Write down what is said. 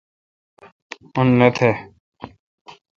ان نہ تھ۔